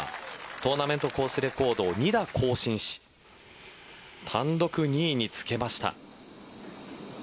トーナメントコースレコードを２打更新し単独２位につけました。